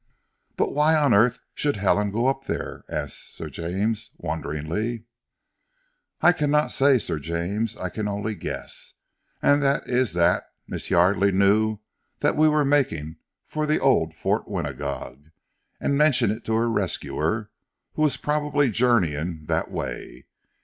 "But why on earth should Helen go up there?" asked Sir James wonderingly. "I cannot say, Sir James! I can only guess, and that is that Miss Yardely knew that we were making for the old Fort Winagog, and mentioned it to her rescuer who was probably journeying that way.